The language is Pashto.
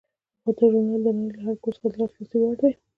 دا ژورنال د نړۍ له هر ګوټ څخه د لاسرسي وړ دی.